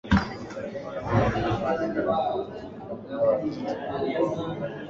aa nchini morocco kwa kuvamia kambi